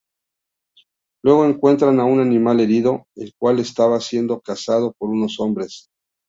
Luego encuentran a un animal herido, el cual estaba siendo cazado por unos hombres.